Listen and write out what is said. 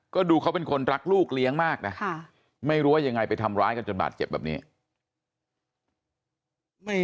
ก็ดูเขาเป็นคนรักลูกเลี้ยงมากนะไม่รู้ว่ายังไงไปทำร้ายกันจนบาดเจ็บแบบนี้